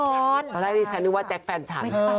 ตอนแรกที่ฉันนึกว่าแจ๊คแฟนฉัน